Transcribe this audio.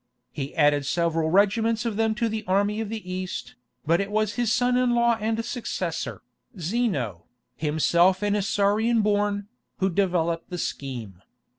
He added several regiments of them to the army of the East, but it was his son in law and successor, Zeno, himself an Isaurian born, who developed the scheme.